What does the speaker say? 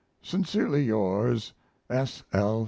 Sincerely yours, S. L.